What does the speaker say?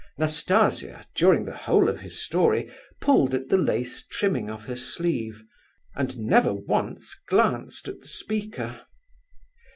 Nastasia, during the whole of his story, pulled at the lace trimming of her sleeve, and never once glanced at the speaker.